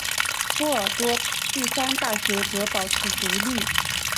波尔多第三大学则保持独立。